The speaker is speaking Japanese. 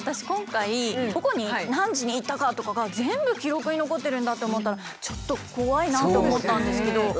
今回どこに何時に行ったかとかが全部記録に残ってるんだって思ったらちょっと怖いなって思ったんですけど。